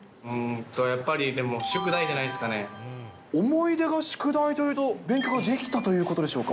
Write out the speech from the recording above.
やっぱりでも、宿題じゃない思い出が宿題というと、勉強ができたということでしょうか。